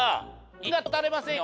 威厳が保たれませんよ。